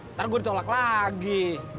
ntar gue ditolak lagi